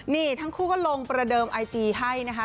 นี่ทั้งคู่ก็ลงประเดิมไอจีให้นะคะ